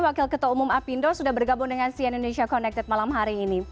wakil ketua umum apindo sudah bergabung dengan cn indonesia connected malam hari ini